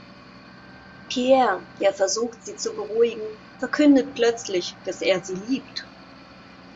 Pierre, der versucht, sie zu beruhigen, verkündet plötzlich, dass er sie liebt.